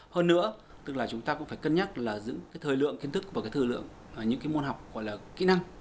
hơn nữa tức là chúng ta cũng phải cân nhắc là giữ cái thời lượng kiến thức và cái thời lượng những cái môn học gọi là kỹ năng